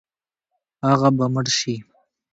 هغه به مړ شي.